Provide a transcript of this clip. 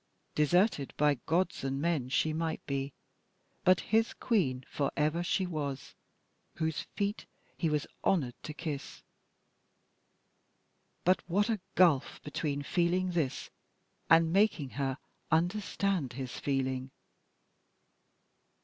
Deserted by gods and men she might be, but his queen for ever she was, whose feet he was honoured to kiss. But what a gulf between feeling this and making her understand his feeling!